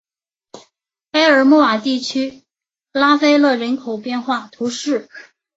埃尔穆瓦地区拉塞勒人口变化图示